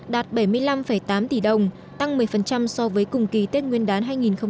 đạt bảy mươi năm tám tỷ đồng tăng một mươi so với cùng kỳ tết nguyên đán hai nghìn một mươi chín